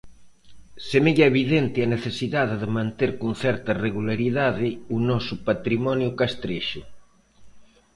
Semella evidente a necesidade de manter con certa regularidade o noso patrimonio castrexo.